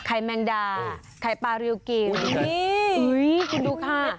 ไข่แมงดาไข่ปลาริวกิคุณดูค่ะ